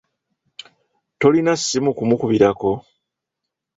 Tolina ssimu kumukubirako?